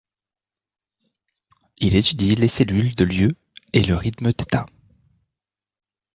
Il étudie les cellules de lieu et le rythme thêta.